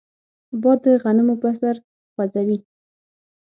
باد د غنمو پسر خوځوي